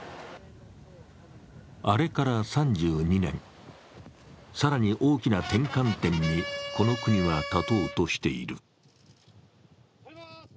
あれから３２年、更に大きな転換点にこの国は立とうとしている。